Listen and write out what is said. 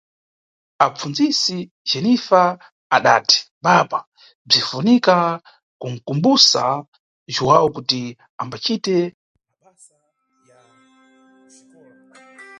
Apfundzisi Jenifa adati: Baba, bzinʼfunika kumbanʼkumbusa Jhuwawu kuti ambacite mabasa ya kuxikola.